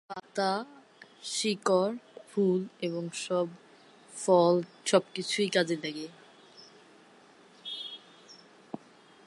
এই গাছের পাতা, শিকড়, ফুল এবং ফল সব কিছু কাজে লাগে।